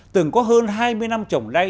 từng có hơn hai mươi năm trồng đay